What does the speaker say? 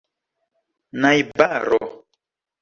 najbaro